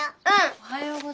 ・おはようございます。